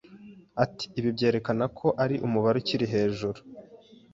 Ati: "Ibi byerekana ko ari umubare ukiri hejuru,